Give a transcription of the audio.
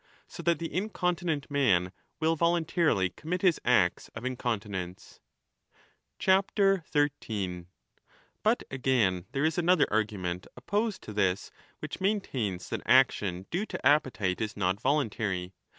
So that the 15 incontinent man will voluntarily commit his acts of in continence. 13 But, again, there is another argument opposed to this, which maintains that action due to appetite is not voluntary.